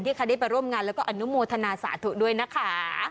ใครได้ไปร่วมงานแล้วก็อนุโมทนาสาธุด้วยนะคะ